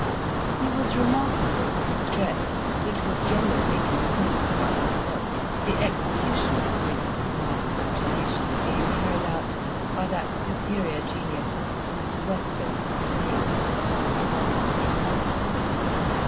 He was remarkable for his dress, which was generally conceived by himself; the execution of his sublime imagination being carried out by that superior genius, Mr. Weston, tailor, of Old Bond Street.